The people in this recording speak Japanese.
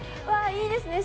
いいですね！